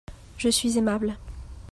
Je suis aimable.